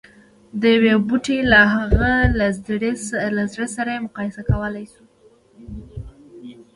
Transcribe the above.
د يوه بوټي له هغه زړي سره يې مقايسه کولای شو.